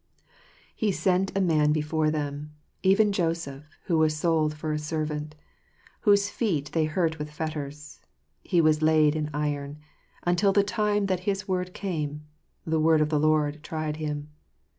He sent a man before them, Even Joseph, who was sold for a servant, Whose feet they hurt with fetters ; He was laid in iron, Until the time that His word came : The word of the Lord tried him.